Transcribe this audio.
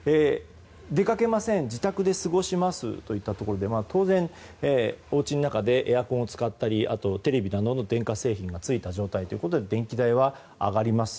出かけません、自宅で過ごしますといったところで当然、おうちの中でエアコンを使ったりテレビなどの家電製品がついている状況ということで電気代は上がります。